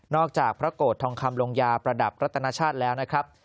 อกจากพระโกรธทองคำลงยาประดับรัตนชาติแล้วนะครับ